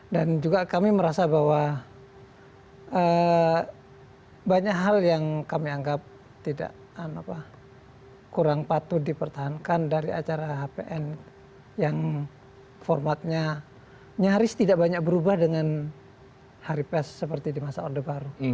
dan juga kami merasa bahwa banyak hal yang kami anggap tidak kurang patut dipertahankan dari acara hpn yang formatnya nyaris tidak banyak berubah dengan hari pres seperti di masa orde baru